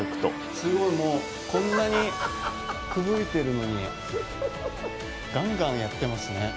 すごい、もうこんなにふぶいてるのにがんがんやってますね。